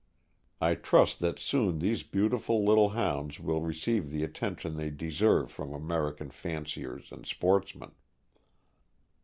I trust that soon these beautiful little Hounds will receive the attention they deserve from American fanciers and sportsmen.